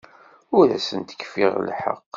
Ur asent-kfiɣ lḥeqq.